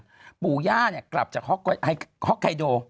หากวันนี้ผู้ย่ากลับจากฮอกไกโด